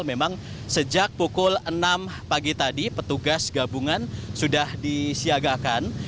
memang sejak pukul enam pagi tadi petugas gabungan sudah disiagakan